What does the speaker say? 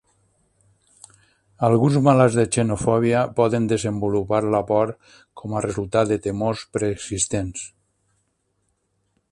Alguns malalts de genofòbia poden desenvolupar la por com a resultat de temors preexistents.